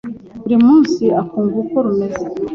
Buri munsi akumva uko rumeze.